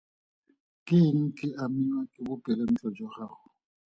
Ke gore ke amiwa ke bopelontle jwa gago.